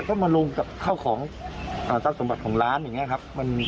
ก็มาลุงกับเข้าของต้มบัตรของร้านอย่างนี้ครับ